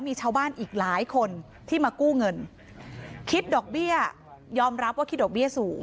มีชาวบ้านอีกหลายคนที่มากู้เงินคิดดอกเบี้ยยอมรับว่าคิดดอกเบี้ยสูง